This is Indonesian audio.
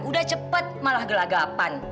udah cepat malah gelagapan